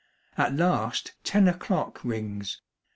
At last ten o'clock rings.